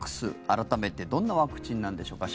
改めてどんなワクチンなんでしょうか。